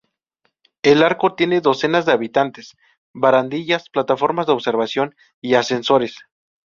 El arco tiene docenas de habitaciones, barandillas, plataformas de observación y ascensores.